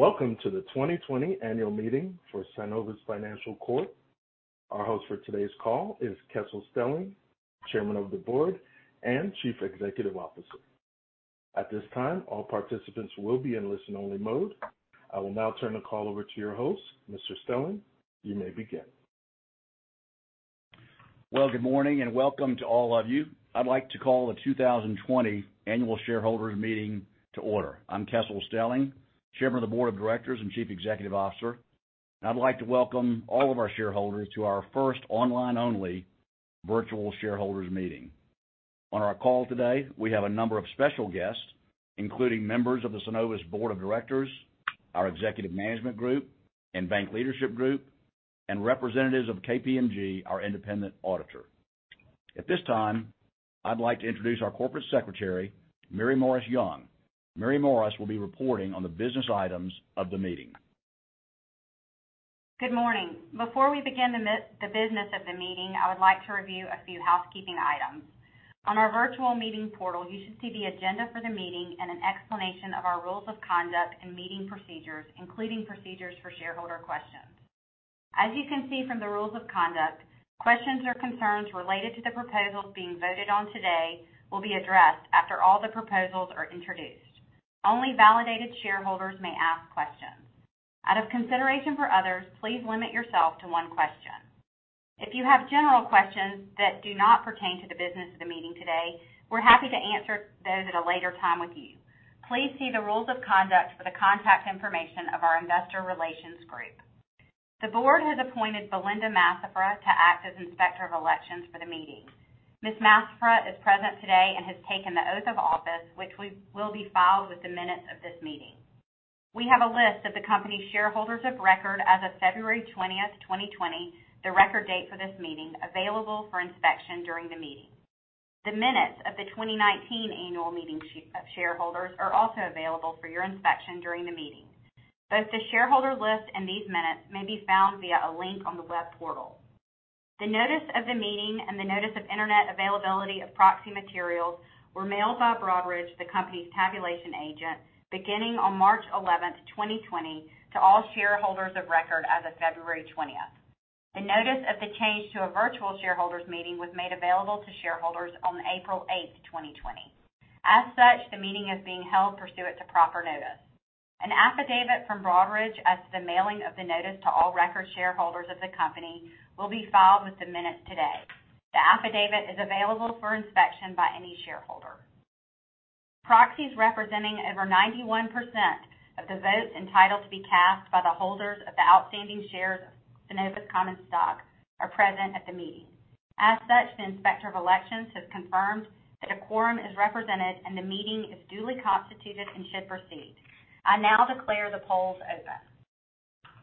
Welcome to the 2020 annual meeting for Synovus Financial Corp. Our host for today's call is Kessel Stelling, Chairman of the Board and Chief Executive Officer. At this time, all participants will be in listen-only mode. I will now turn the call over to your host. Mr. Stelling, you may begin. Well, good morning and welcome to all of you. I'd like to call the 2020 annual shareholders meeting to order. I'm Kessel Stelling, Chairman of the Board of Directors and Chief Executive Officer, and I'd like to welcome all of our shareholders to our first online-only virtual shareholders meeting. On our call today, we have a number of special guests, including members of the Synovus Board of Directors, our executive management group and bank leadership group, and representatives of KPMG, our independent auditor. At this time, I'd like to introduce our Corporate Secretary, Mary Maurice Young. Mary Maurice will be reporting on the business items of the meeting. Good morning. Before we begin the business of the meeting, I would like to review a few housekeeping items. On our virtual meeting portal, you should see the agenda for the meeting and an explanation of our rules of conduct and meeting procedures, including procedures for shareholder questions. As you can see from the rules of conduct, questions or concerns related to the proposals being voted on today will be addressed after all the proposals are introduced. Only validated shareholders may ask questions. Out of consideration for others, please limit yourself to one question. If you have general questions that do not pertain to the business of the meeting today, we're happy to answer those at a later time with you. Please see the rules of conduct for the contact information of our investor relations group. The board has appointed Belinda Massafra to act as Inspector of Elections for the meeting. Ms. Massafra is present today and has taken the oath of office, which will be filed with the minutes of this meeting. We have a list of the company's shareholders of record as of February 20th, 2020, the record date for this meeting, available for inspection during the meeting. The minutes of the 2019 annual meeting of shareholders are also available for your inspection during the meeting. Both the shareholder list and these minutes may be found via a link on the web portal. The notice of the meeting and the notice of internet availability of proxy materials were mailed by Broadridge, the company's tabulation agent, beginning on March 11th, 2020, to all shareholders of record as of February 20th. The notice of the change to a virtual shareholders meeting was made available to shareholders on April 8th, 2020. As such, the meeting is being held pursuant to proper notice. An affidavit from Broadridge as to the mailing of the notice to all record shareholders of the company will be filed with the minutes today. The affidavit is available for inspection by any shareholder. Proxies representing over 91% of the votes entitled to be cast by the holders of the outstanding shares of Synovus common stock are present at the meeting. As such, the Inspector of Elections has confirmed that a quorum is represented, and the meeting is duly constituted and should proceed. I now declare the polls open.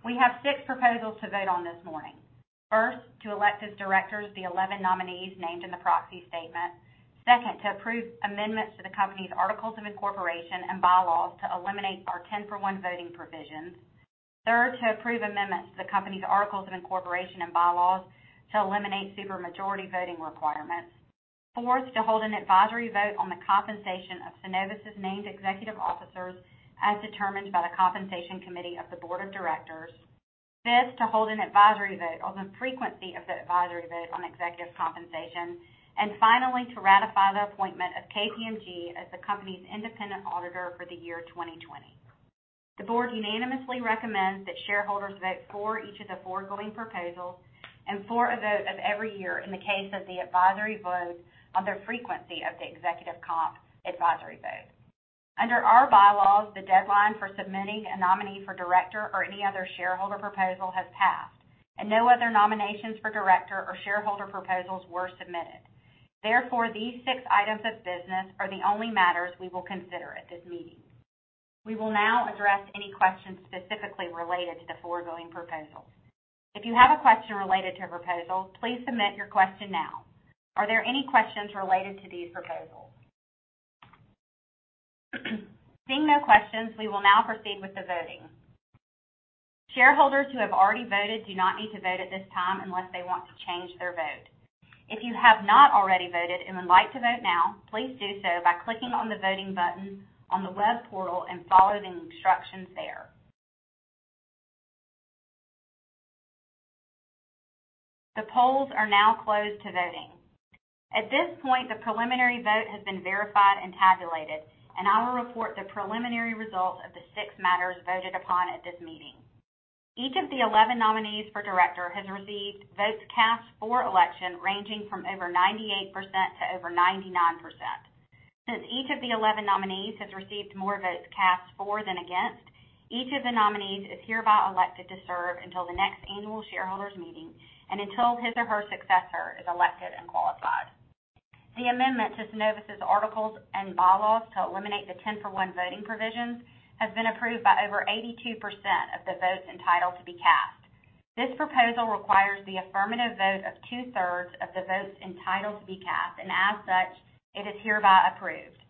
We have six proposals to vote on this morning. First, to elect as directors the 11 nominees named in the proxy statement. Second, to approve amendments to the company's articles of incorporation and bylaws to eliminate our 10-for-one voting provisions. Third, to approve amendments to the company's articles of incorporation and bylaws to eliminate super majority voting requirements. Fourth, to hold an advisory vote on the compensation of Synovus' named executive officers as determined by the Compensation Committee of the Board of Directors. Fifth, to hold an advisory vote on the frequency of the advisory vote on executive compensation. Finally, to ratify the appointment of KPMG as the company's independent auditor for the year 2020. The board unanimously recommends that shareholders vote for each of the foregoing proposals and for a vote of every year in the case of the advisory vote on the frequency of the executive comp advisory vote. Under our bylaws, the deadline for submitting a nominee for director or any other shareholder proposal has passed, and no other nominations for director or shareholder proposals were submitted. Therefore, these six items of business are the only matters we will consider at this meeting. We will now address any questions specifically related to the foregoing proposals. If you have a question related to a proposal, please submit your question now. Are there any questions related to these proposals? Seeing no questions, we will now proceed with the voting. Shareholders who have already voted do not need to vote at this time unless they want to change their vote. If you have not already voted and would like to vote now, please do so by clicking on the voting button on the web portal and follow the instructions there. The polls are now closed to voting. At this point, the preliminary vote has been verified and tabulated, I will report the preliminary results of the six matters voted upon at this meeting. Each of the 11 nominees for director has received votes cast for election ranging from over 98% to over 99%. Since each of the 11 nominees has received more votes cast for than against, each of the nominees is hereby elected to serve until the next annual shareholders meeting and until his or her successor is elected and qualified. The amendment to Synovus' articles and bylaws to eliminate the 10-for-one voting provisions has been approved by over 82% of the votes entitled to be cast. This proposal requires the affirmative vote of two-thirds of the votes entitled to be cast, as such, it is hereby approved.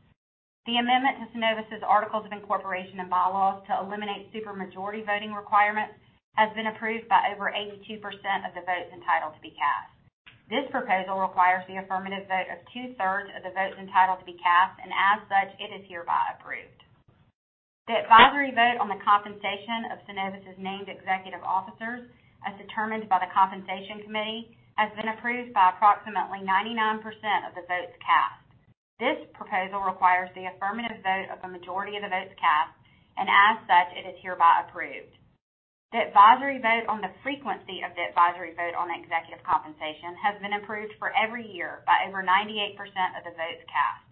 The amendment to Synovus' articles of incorporation and bylaws to eliminate super majority voting requirements has been approved by over 82% of the votes entitled to be cast. This proposal requires the affirmative vote of two-thirds of the votes entitled to be cast, and as such, it is hereby approved. The advisory vote on the compensation of Synovus's named executive officers, as determined by the Compensation Committee, has been approved by approximately 99% of the votes cast. This proposal requires the affirmative vote of a majority of the votes cast, and as such, it is hereby approved. The advisory vote on the frequency of the advisory vote on executive compensation has been approved for every year by over 98% of the votes cast.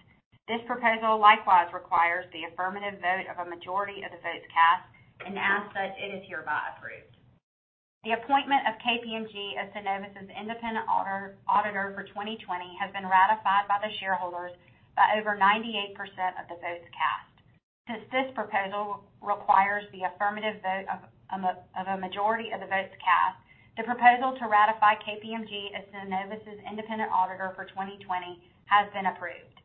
This proposal likewise requires the affirmative vote of a majority of the votes cast, and as such, it is hereby approved. The appointment of KPMG as Synovus's independent auditor for 2020 has been ratified by the shareholders by over 98% of the votes cast. Since this proposal requires the affirmative vote of a majority of the votes cast, the proposal to ratify KPMG as Synovus's independent auditor for 2020 has been approved.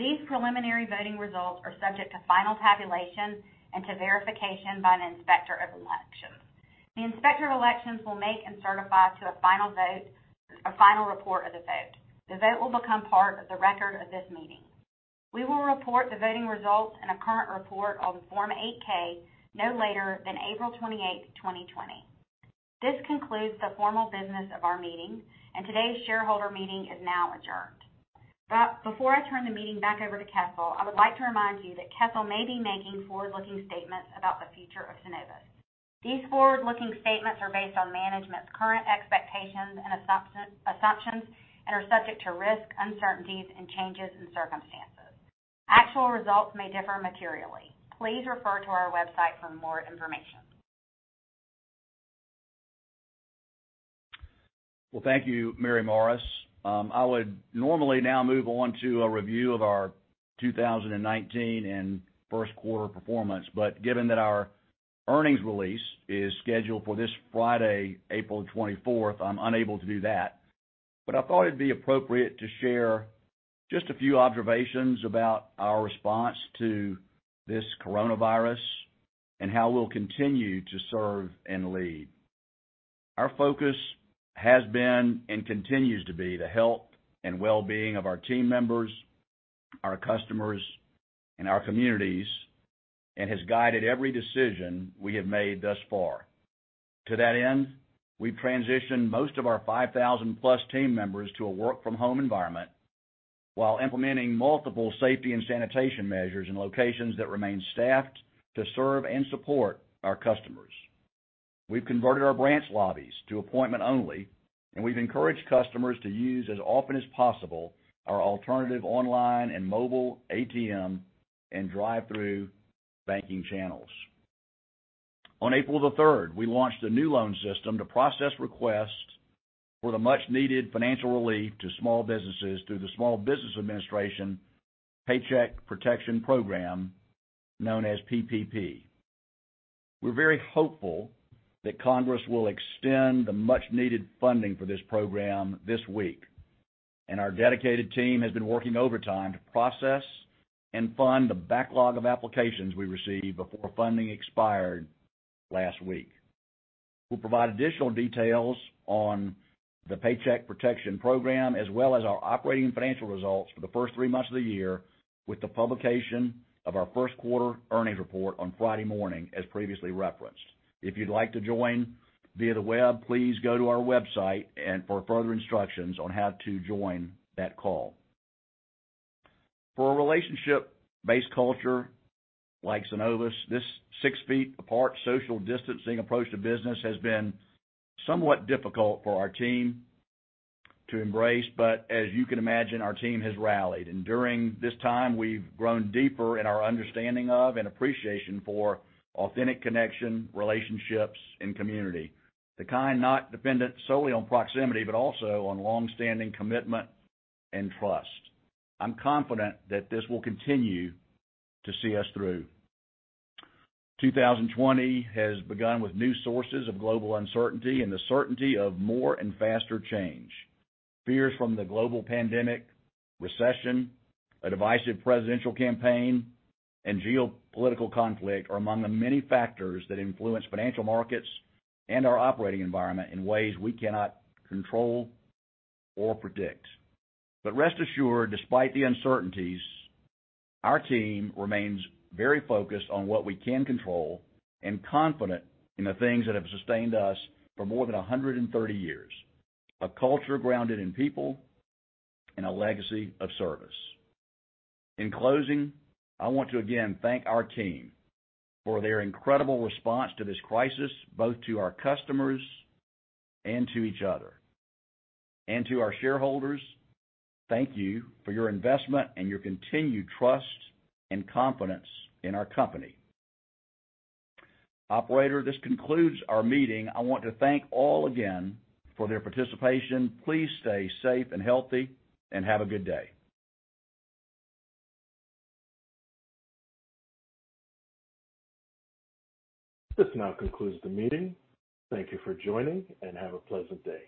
These preliminary voting results are subject to final tabulation and to verification by an inspector of elections. The inspector of elections will make and certify to a final report of the vote. The vote will become part of the record of this meeting. We will report the voting results in a current report on the Form 8-K no later than April 28th, 2020. This concludes the formal business of our meeting, and today's shareholder meeting is now adjourned. Before I turn the meeting back over to Kessel, I would like to remind you that Kessel may be making forward-looking statements about the future of Synovus. These forward-looking statements are based on management's current expectations and assumptions, and are subject to risks, uncertainties, and changes in circumstances. Actual results may differ materially. Please refer to our website for more information. Thank you, Mary Maurice. I would normally now move on to a review of our 2019 and first quarter performance. Given that our earnings release is scheduled for this Friday, April 24th, I'm unable to do that. I thought it'd be appropriate to share just a few observations about our response to this coronavirus, and how we'll continue to serve and lead. Our focus has been, and continues to be, the health and wellbeing of our team members, our customers, and our communities, and has guided every decision we have made thus far. To that end, we've transitioned most of our 5,000-plus team members to a work-from-home environment while implementing multiple safety and sanitation measures in locations that remain staffed to serve and support our customers. We've converted our branch lobbies to appointment only, and we've encouraged customers to use, as often as possible, our alternative online and mobile ATM and drive-thru banking channels. On April the 3rd, we launched a new loan system to process requests for the much-needed financial relief to small businesses through the Small Business Administration Paycheck Protection Program, known as PPP. We're very hopeful that Congress will extend the much-needed funding for this program this week, and our dedicated team has been working overtime to process and fund the backlog of applications we received before funding expired last week. We'll provide additional details on the Paycheck Protection Program, as well as our operating financial results for the first three months of the year with the publication of our first quarter earnings report on Friday morning as previously referenced. If you'd like to join via the web, please go to our website and for further instructions on how to join that call. For a relationship-based culture like Synovus, this six-feet-apart social distancing approach to business has been somewhat difficult for our team to embrace. As you can imagine, our team has rallied, and during this time, we've grown deeper in our understanding of and appreciation for authentic connection, relationships, and community. The kind not dependent solely on proximity, but also on longstanding commitment and trust. I'm confident that this will continue to see us through. 2020 has begun with new sources of global uncertainty and the certainty of more and faster change. Fears from the global pandemic, recession, a divisive presidential campaign, and geopolitical conflict are among the many factors that influence financial markets and our operating environment in ways we cannot control or predict. Rest assured, despite the uncertainties, our team remains very focused on what we can control and confident in the things that have sustained us for more than 130 years. A culture grounded in people and a legacy of service. In closing, I want to again thank our team for their incredible response to this crisis, both to our customers and to each other. To our shareholders, thank you for your investment and your continued trust and confidence in our company. Operator, this concludes our meeting. I want to thank all again for their participation. Please stay safe and healthy, and have a good day. This now concludes the meeting. Thank you for joining, and have a pleasant day.